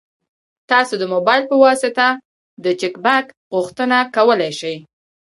تاسو د موبایل په واسطه د چک بک غوښتنه کولی شئ.